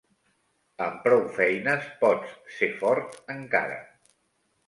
Amb prou feines pots ser fort encara.